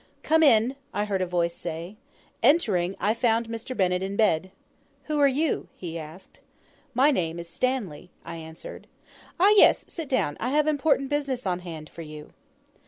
"Come in," I heard a voice say. Entering, I found Mr. Bennett in bed. "Who are you?" he asked. "My name is Stanley," I answered. "Ah, yes! sit down; I have important business on hand for you."